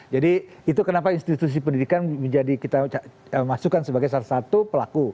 jadi itu kenapa institusi pendidikan menjadi kita masukkan sebagai satu satu pelaku